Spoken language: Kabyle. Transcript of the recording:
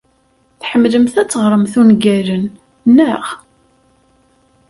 Tḥemmlemt ad teɣremt ungalen, naɣ?